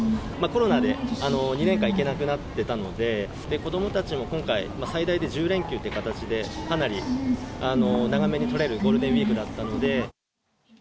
コロナで２年間、行けなくなってたので、子どもたちも今回、最大で１０連休っていう形で、かなり長めに取れるゴールデンウィークだったので。